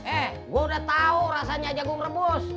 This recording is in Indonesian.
eh gue udah tau rasanya jagung rebus